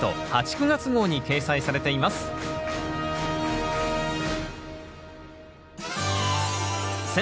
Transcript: ９月号に掲載されています選